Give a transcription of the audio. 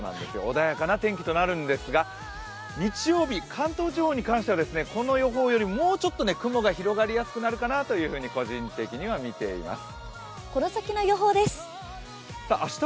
穏やかな天気となるんですが日曜日、関東地方に関してはこの予報よりもうちょっと雲が広がりやすくなるかなと個人的には見ています。